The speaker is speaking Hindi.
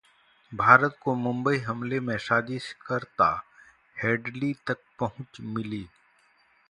भारत को मुम्बई हमले के साजिशकर्ता हेडली तक पहुंच मिली